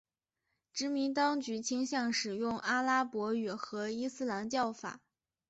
殖民当局倾向使用阿拉伯语和伊斯兰教法。